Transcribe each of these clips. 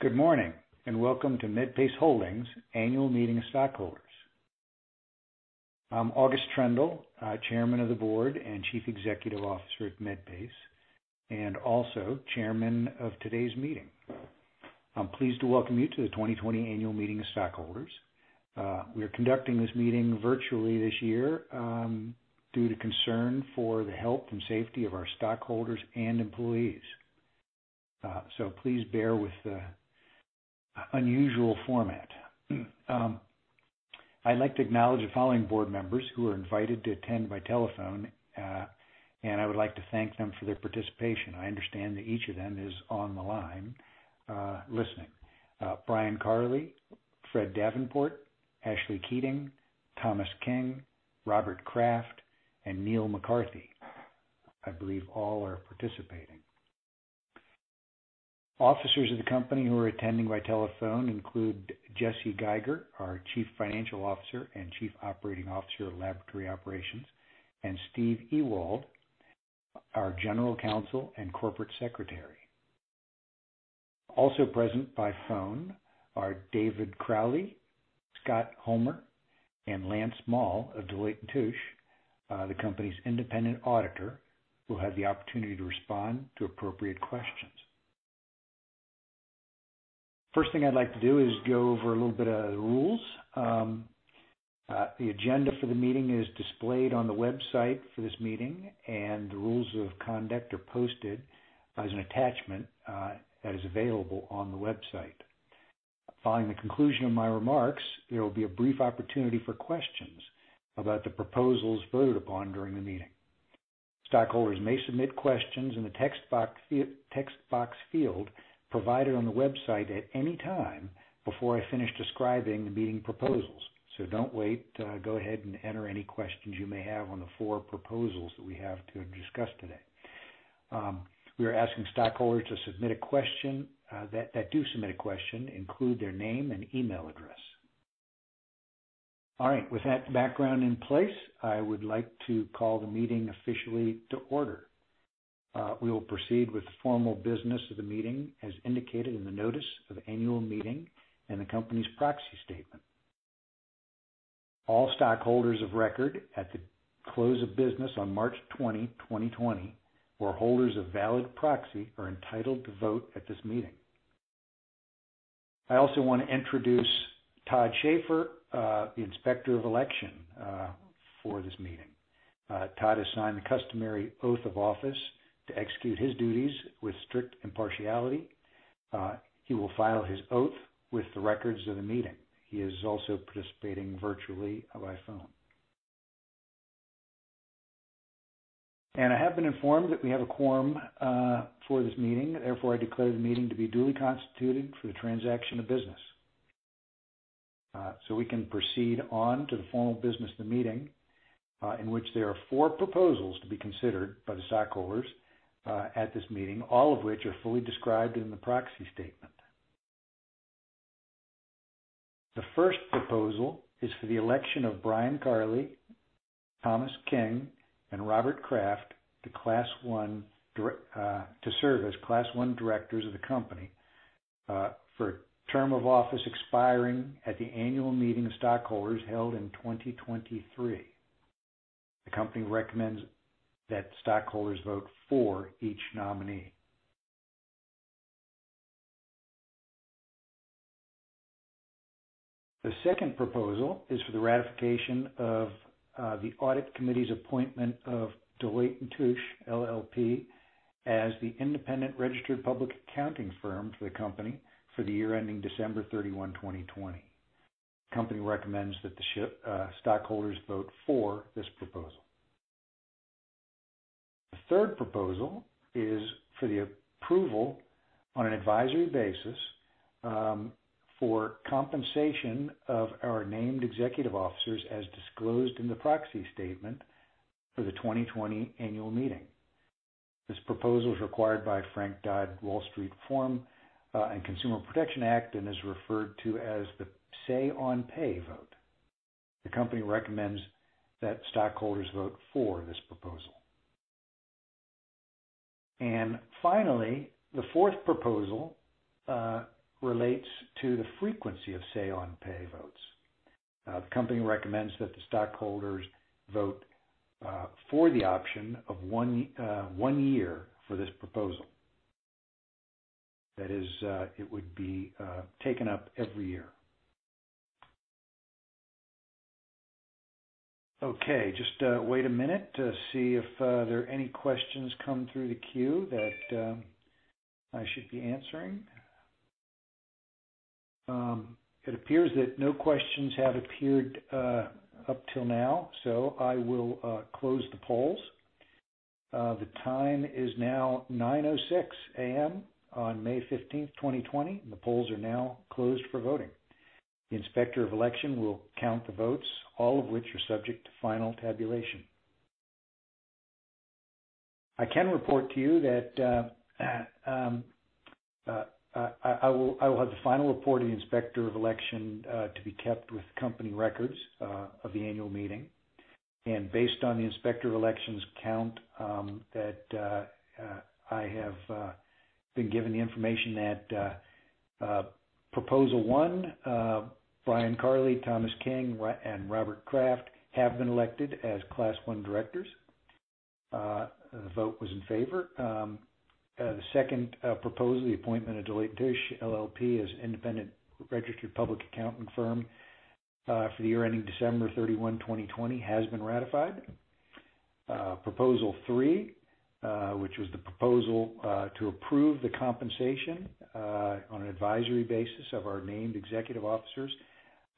Good morning. Welcome to Medpace Holdings Annual Meeting of Stockholders. I'm August Troendle, Chairman of the Board and Chief Executive Officer at Medpace, and also Chairman of today's Meeting. I'm pleased to welcome you to the 2020 Annual Meeting of Stockholders. We are conducting this meeting virtually this year due to concern for the health and safety of our stockholders and employees. Please bear with the unusual format. I'd like to acknowledge the following Board members who are invited to attend by telephone, and I would like to thank them for their participation. I understand that each of them is on the line listening. Brian Carley, Fred Davenport, Ashley Keating, Thomas King, Robert Kraft, and Neil McCarthy. I believe all are participating. Officers of the company who are attending by telephone include Jesse Geiger, our Chief Financial Officer and Chief Operating Officer of Laboratory Operations, and Steve Ewald, our General Counsel and Corporate Secretary. Also present by phone are David Crowley, Scott Homer, and Lance Maul of Deloitte & Touche, the company's independent auditor, who have the opportunity to respond to appropriate questions. First thing I'd like to do is go over a little bit of the rules. The agenda for the meeting is displayed on the website for this meeting, and the rules of conduct are posted as an attachment that is available on the website. Following the conclusion of my remarks, there will be a brief opportunity for questions about the proposals voted upon during the meeting. Stockholders may submit questions in the text box field provided on the website at any time before I finish describing the meeting proposals. Don't wait. Go ahead and enter any questions you may have on the four proposals that we have to discuss today. We are asking stockholders that do submit a question, include their name and email address. All right. With that background in place, I would like to call the meeting officially to order. We will proceed with the formal business of the meeting as indicated in the notice of annual meeting and the company's proxy statement. All stockholders of record at the close of business on March 20, 2020, or holders of valid proxy, are entitled to vote at this meeting. I also want to introduce Todd Schaefer, the Inspector of Election for this meeting. Todd has signed the customary oath of office to execute his duties with strict impartiality. He will file his oath with the records of the meeting. He is also participating virtually by phone. I have been informed that we have a quorum for this meeting. Therefore, I declare the meeting to be duly constituted for the transaction of business. We can proceed on to the formal business of the meeting, in which there are four proposals to be considered by the stockholders at this meeting, all of which are fully described in the proxy statement. The first proposal is for the election of Brian Carley, Thomas King, and Robert Kraft to serve as Class I directors of the company for term of office expiring at the Annual Meeting of Stockholders held in 2023. The company recommends that stockholders vote for each nominee. The second proposal is for the ratification of the Audit Committee's appointment of Deloitte & Touche LLP as the independent registered public accounting firm for the company for the year ending December 31, 2020. Company recommends that the stockholders vote for this proposal. The third proposal is for the approval on an advisory basis for compensation of our named executive officers as disclosed in the proxy statement for the 2020 annual meeting. This proposal is required by Dodd-Frank Wall Street Reform and Consumer Protection Act and is referred to as the Say on Pay vote. The company recommends that stockholders vote for this proposal. Finally, the fourth proposal relates to the frequency of Say on Pay votes. The company recommends that the stockholders vote for the option of one year for this proposal. That is, it would be taken up every year. Okay, just wait a minute to see if there are any questions come through the queue that I should be answering. It appears that no questions have appeared up till now, so I will close the polls. The time is now 9:06 A.M. on May 15th, 2020. The polls are now closed for voting. The Inspector of Election will count the votes, all of which are subject to final tabulation. I can report to you that I will have the final report of the Inspector of Election to be kept with company records of the annual meeting. Based on the Inspector of Election's count that I have been given the information that Proposal One, Brian T. Carley, Thomas King, and Robert O. Kraft have been elected as Class I directors. The vote was in favor. The second proposal, the appointment of Deloitte & Touche LLP as independent registered public accounting firm for the year ending December 31, 2020, has been ratified. Proposal three, which was the proposal to approve the compensation on an advisory basis of our named executive officers,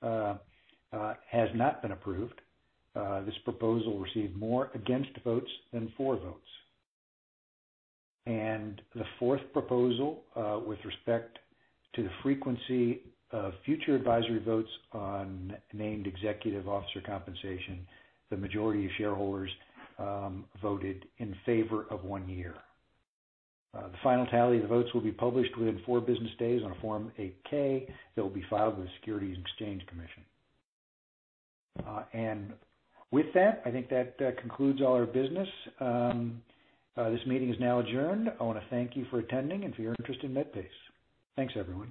has not been approved. This proposal received more against votes than for votes. The fourth proposal with respect to the frequency of future advisory votes on named executive officer compensation, the majority of shareholders voted in favor of one year. The final tally of the votes will be published within four business days on a Form 8-K that will be filed with the Securities and Exchange Commission. With that, I think that concludes all our business. This meeting is now adjourned. I want to thank you for attending and for your interest in Medpace. Thanks, everyone.